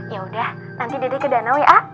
yaudah nanti dede ke danau ya